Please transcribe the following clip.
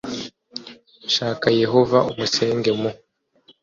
shaka yehova umusenga mu